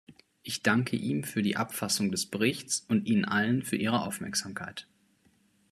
Ich danke ihm für die Abfassung des Berichts und Ihnen allen für Ihre Aufmerksamkeit.